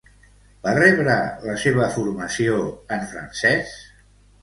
Va rebre la seva formació en francès?